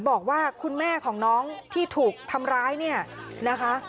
บอกว่าคุณแม่ของน้องที่ถูกทำร้ายเนี่ยนะคะ